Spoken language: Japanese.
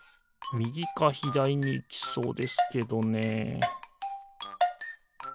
みぎかひだりにいきそうですけどね